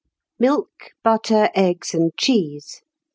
Milk, Butter, Eggs, and Cheese.